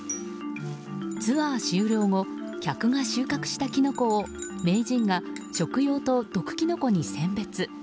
ツアー終了後客が収穫したキノコを名人が、食用と毒キノコに選別。